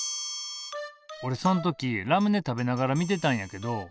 おれそん時ラムネ食べながら見てたんやけど。